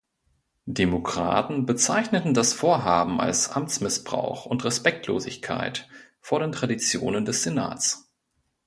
Demokraten bezeichneten das Vorhaben als Amtsmissbrauch und Respektlosigkeit vor den Traditionen des Senats.